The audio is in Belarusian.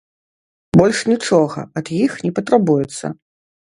Больш нічога ад іх не патрабуецца.